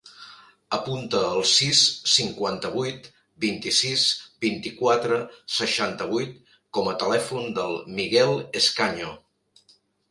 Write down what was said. Apunta el sis, cinquanta-vuit, vint-i-sis, vint-i-quatre, seixanta-vuit com a telèfon del Miguel Escaño.